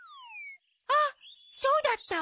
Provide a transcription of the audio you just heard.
あっそうだった！